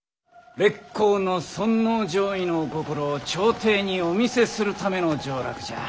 烈公の尊王攘夷のお心を朝廷にお見せするための上洛じゃ。